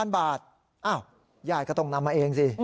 บาทยายก็ต้องนำมาเองสิ